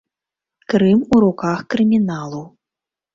Крым у руках крыміналу.